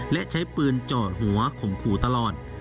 และใช้ปืนเจาะหัวข่มขู่ตลอด